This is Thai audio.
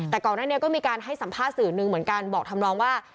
แต่ก่อนหน้านี้ก็มีการให้สัมภาษณ์สื่อหนึ่งเหมือนกันบอกทำนองว่า